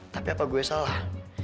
tapi apa gue salah